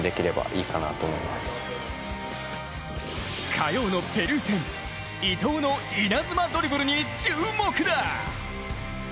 火曜のペルー戦、伊東の稲妻ドリブルに注目だ！